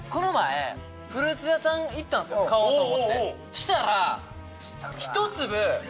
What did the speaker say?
したら。